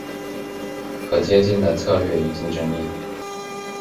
可借镜的策略与竞争力